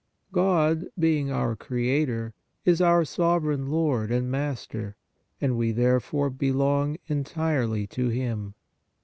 God, being our Creator, is our. Sovereign Lord and Mas ter, and we, therefore, belong entirely to Him.